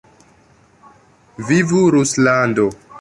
Vivu Ruslando!